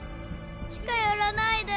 近よらないで。